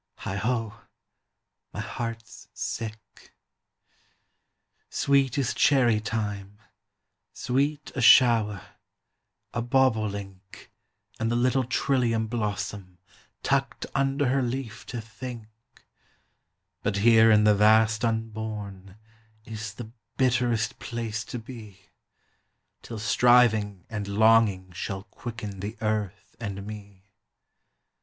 Heigho! my heart 's sick. Sweet is cherry time, sweet A shower, a bobolink, And the little trillium blossom Tucked under her leaf to think; But here in the vast unborn Is the bitterest place to be, Till striving and longing Shall quicken the earth and me.